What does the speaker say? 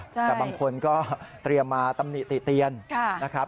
แต่บางคนก็เตรียมมาตำหนิติเตียนนะครับ